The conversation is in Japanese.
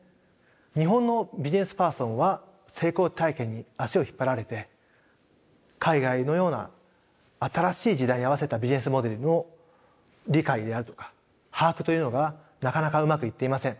日本のビジネスパーソンは成功体験に足を引っ張られて海外のような新しい時代に合わせたビジネスモデルの理解であるとか把握というのがなかなかうまくいっていません。